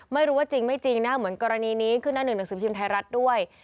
ไม่รู้ว่าจริงไม่จริงนะเหมือนกรณีนี้ขึ้นหน้าหนึ่งหนังสือพิมพ์ไทยรัฐด้วย